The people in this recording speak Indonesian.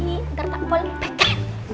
ntar tak boleh pekan